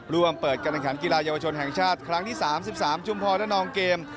ร่วมเปิดการการกีฬายาวชนแห่งชาติครั้งที่๓๓ชุมพอร์และนองเกม